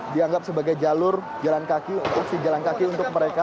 dianggap sebagai jalur jalan kaki untuk mereka